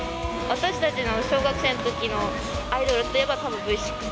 私たちの小学生のときのアイドルっていえばたぶんＶ６。